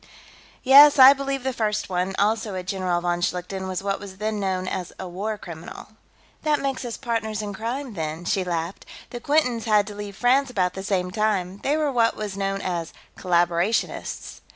"Yes. I believe the first one, also a General von Schlichten, was what was then known as a war criminal." "That makes us partners in crime, then," she laughed. "The Quintons had to leave France about the same time; they were what was known as collaborationists."